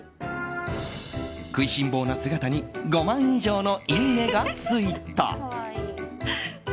食いしん坊な姿に５万以上のいいねがついた。